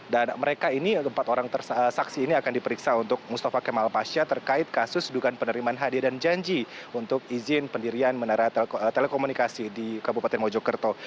dan mereka ini empat orang saksi ini akan diperiksa untuk mustafa kemal pasha terkait kasus dugaan penerimaan hadiah dan janji untuk izin pendirian menara telekomunikasi di kabupaten mojokerto